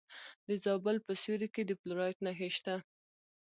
د زابل په سیوري کې د فلورایټ نښې شته.